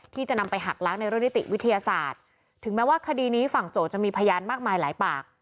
ที่จะนำไปหักล้างในเรื่องนิติวิทยาศาสตร์ถึงแม้ว่าคดีนี้ฝั่งโจทย์จะมีพยานมากมายหลายปาก